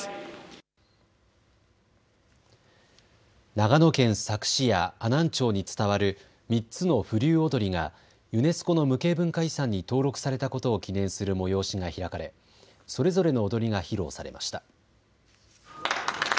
長野県佐久市や阿南町に伝わる３つの風流踊がユネスコの無形文化遺産に登録されたことを記念する催しが開かれそれぞれの踊りが披露されました。